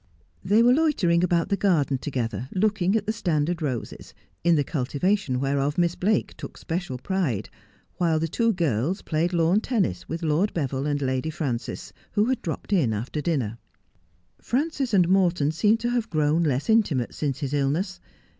They were loitering about the garden together, looking at the standard roses, in the cultivation whereof Miss Blake took special pride, while the two girls played lawn tennis with Lord Beville and Lady Frances, who had dropped in after dinner. Frances and Morton seemed to have crown less intimate since his illness.